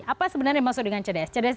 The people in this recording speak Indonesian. apa sebenarnya yang masuk dengan cds